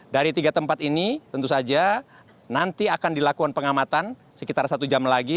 dari tiga tempat ini tentu saja nanti akan dilakukan pengamatan sekitar satu jam lagi